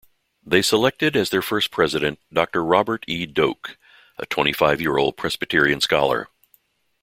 They selected as their first president, Doctor Robert E. Doak, a twenty-five-year-old Presbyterian scholar.